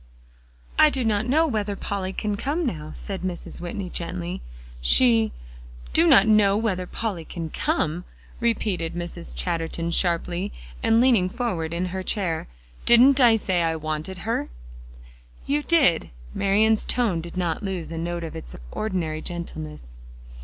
"I do not know whether Polly can come now," said Mrs. Whitney gently; "she" "Do not know whether Polly can come!" repeated Mrs. Chatterton sharply, and leaning forward in her chair. "Didn't I say I wanted her?" "You did." Marian's tone did not lose a note of its ordinary gentleness.